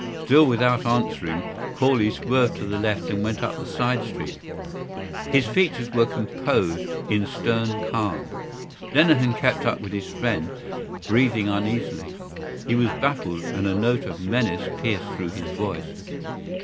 Still without answering, Corley swerved to the left and went up the side street. His features were composed in stern calm. Lenehan kept up with his friend, breathing uneasily. He was baffled and a note of menace pierced through his voice.